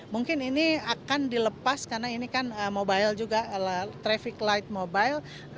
mungkin ini akan dilepas karena ini kan mobile juga traffic light mobile